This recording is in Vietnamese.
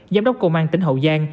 giám đốc công an tỉnh hậu giang